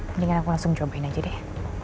mendingan aku langsung cobain aja deh